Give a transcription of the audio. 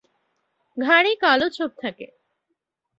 ঘাড়ে কালো ছোপ থাকে।